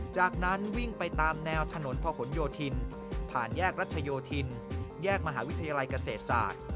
จากนั้นวิ่งไปตามแนวถนนพะหนโยธินผ่านแยกรัชโยธินแยกมหาวิทยาลัยเกษตรศาสตร์